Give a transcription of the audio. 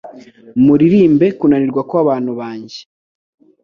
Muririmbe kunanirwa kwabantu banjye